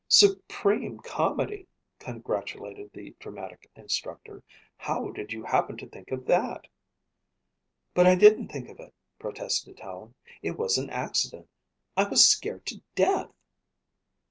"Supreme comedy," congratulated the dramatic instructor. "How did you happen to think of that?" "But I didn't think of it," protested Helen. "It was an accident. I was scared to death."